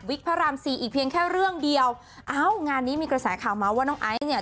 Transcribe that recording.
พระรามสี่อีกเพียงแค่เรื่องเดียวเอ้างานนี้มีกระแสข่าวเมาส์ว่าน้องไอซ์เนี่ย